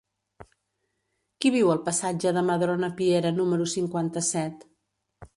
Qui viu al passatge de Madrona Piera número cinquanta-set?